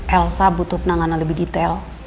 elsa butuh penanganan lebih detail